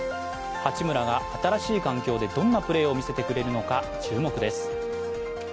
八村が新しい環境でどんなプレーを見せてくれるのか注目です。